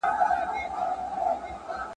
د میني او عشق په ليكلو کي